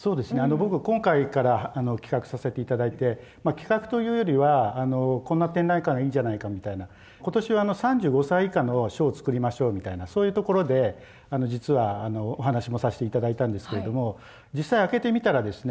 僕は今回から企画させて頂いてまあ企画というよりはこんな展覧会がいいんじゃないかみたいな今年は３５歳以下の賞を作りましょうみたいなそういうところで実はお話もさして頂いたんですけれども実際開けてみたらですね